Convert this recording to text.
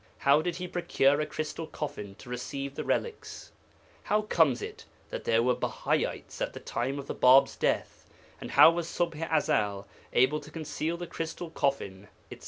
How did he procure a crystal coffin to receive the relics? How comes it that there were Bahaites at the time of the Bāb's death, and how was Ṣubḥ i Ezel able to conceal the crystal coffin, etc.